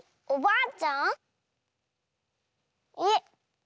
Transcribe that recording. おばあちゃん？